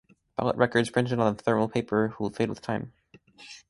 Ballot records printed on the thermal paper will fade with time.